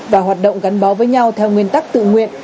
và hoạt động gắn bó với nhau theo nguyên tắc tự nguyện